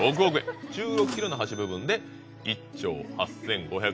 １６キロの橋部分で１兆８５６０億円。